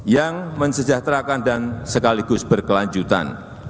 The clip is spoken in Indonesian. yang mensejahterakan dan sekaligus berkelanjutan